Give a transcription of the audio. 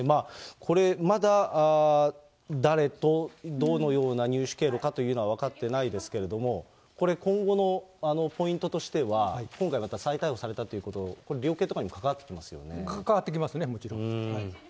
これ、まだ誰とどのような入手経路かというのは分かってないですけれども、これ、今後のポイントとしては、今回、また再逮捕されたということ、これ、関わってきますね、もちろん。